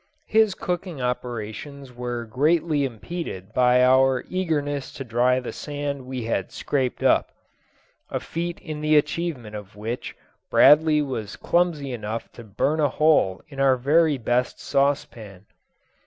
His cooking operations were greatly impeded by our eagerness to dry the sand we had scraped up a feat in the achievement of which Bradley was clumsy enough to burn a hole in our very best saucepan.